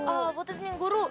oh potesning guru